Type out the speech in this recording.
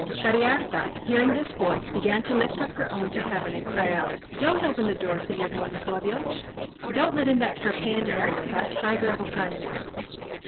Cariharta hearing this voice, began to lift up her own to heaven, and cried out, "Don't open the door, Señor Monipodio; don't let in that Tarpeian mariner—that tiger of Ocaña."